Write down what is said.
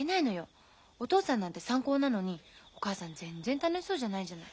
お父さんなんて三高なのにお母さん全然楽しそうじゃないじゃない。